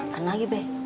apa lagi bek